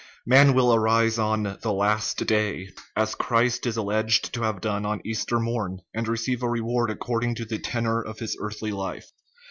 Man will arise on " the last day," as Christ is alleged to have done on Easter morn, and receive a reward according to the tenor of his earthly life.